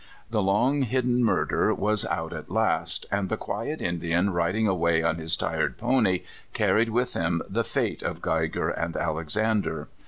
The long hidden murder was out at last, and the quiet Indian riding away on his tired pony carried with him the fate of Geigfer and Alexander.